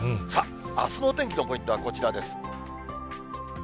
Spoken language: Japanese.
さあ、あすのお天気のポイントはこちらです。